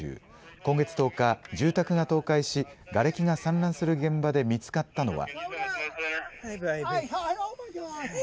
今月１０日、住宅が倒壊しがれきが散乱する現場で見つかったのは。